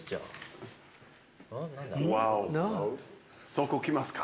そこ来ますか。